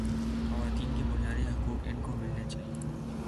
خواتین کے بنیادی حقوق ان کو ملنے چاہیے